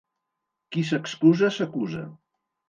Qui s'excusa, s'acusa.